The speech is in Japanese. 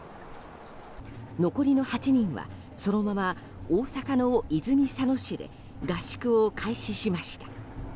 残りの８人はそのまま大阪の泉佐野市で合宿を開始しました。